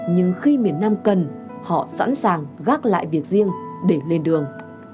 nhưng khi miền nam cần họ sẵn sàng gác lại việc riêng để lên đường